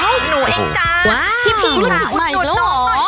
นี่จ้าธุรกิจมาให้หนูเองจ้ะ